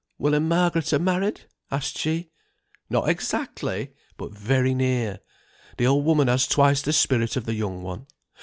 "Will and Margaret are married?" asked she. "Not exactly, but very near. The old woman has twice the spirit of the young one.